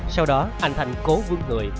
sau đó anh thành cố vương người